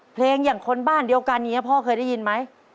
เพลงอย่างคนบ้านเดียวกันอย่างนี้พ่อเคยได้ยินไหม